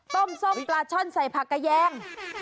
ต้มส้มปลาช่อนใส่ผักกระแยง